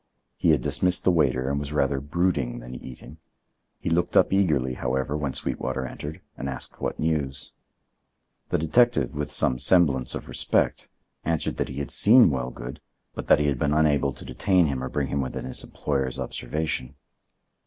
He had dismissed the waiter and was rather brooding than eating. He looked up eagerly, however, when Sweetwater entered, and asked what news. The detective, with some semblance of respect, answered that he had seen Wellgood, but that he had been unable to detain him or bring him within his employer's observation.